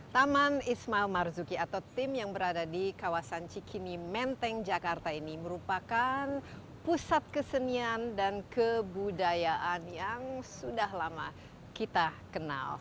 taman ismail marzuki atau tim yang berada di kawasan cikini menteng jakarta ini merupakan pusat kesenian dan kebudayaan yang sudah lama kita kenal